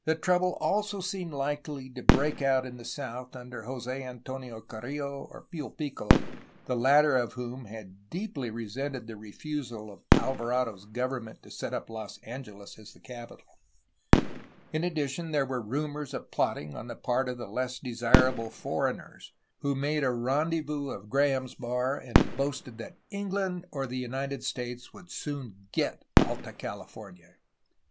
Trouble also seemed likely to break out in the south under Jos6 Antonio Carrillo or Pio Pico the latter of whom had deeply resented the refusal of Alvarado's government to set up Los Angeles as the capital. In addition, there were rumors of plotting on the part of the less desirable foreigners, who made a rendezvous of Graham's bar and boasted that England or the United States would soon get Alta California.